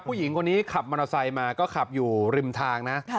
ผู้หญิงคนนี้ขับมอเตอร์ไซค์มาก็ขับอยู่ริมทางนะ